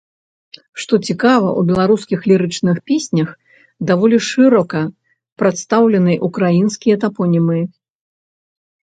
Што цікава, у беларускіх лірычных песнях даволі шырока прадстаўлены украінскія тапонімы.